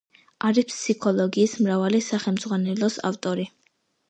არის ფსიქოლოგიის მრავალი სახელმძღვანელოს ავტორი.